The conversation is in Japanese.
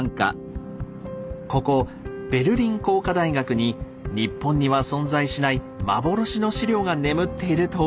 ここベルリン工科大学に日本には存在しない幻の史料が眠っているといいます。